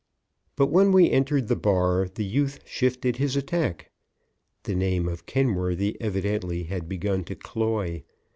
"] But when we entered the bar the youth shifted his attack. The name of Kenworthy evidently had begun to cloy.